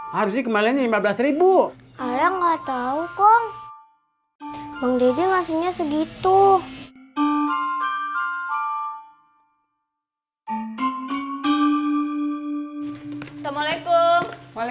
harusnya kembaliannya rp lima belas